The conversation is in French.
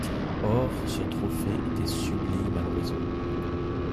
Or ce trophée était sublime à l'horizon ;